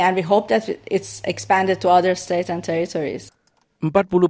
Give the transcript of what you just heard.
dan kita harapnya akan berkembang ke negara dan negara lain